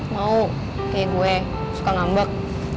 mau kayak gue suka ngambek